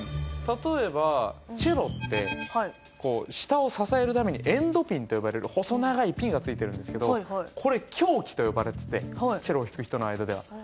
例えばチェロって下を支えるためにエンドピンと呼ばれる細長いピンが付いてるんですけどこれ凶器と呼ばれててチェロを弾く人の間では。